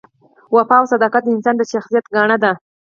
وفا او صداقت د انسان د شخصیت ګاڼه ده.